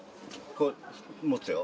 こう持つよ。